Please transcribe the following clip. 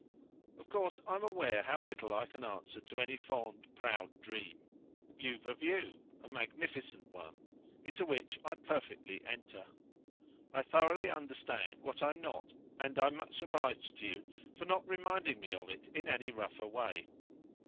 "Of course I'm aware how little I can answer to any fond proud dream. You've a view a grand one; into which I perfectly enter. I thoroughly understand what I'm not, and I'm much obliged to you for not reminding me of it in any rougher way."